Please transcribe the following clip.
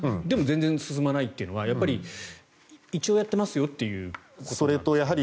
でも全然進まないっていうのはやっぱり一応やってますよってことなんですかね。